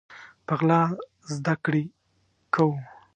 په غلا زده کړي کوو